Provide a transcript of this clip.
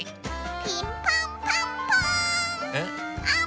ピンポンパンポーン！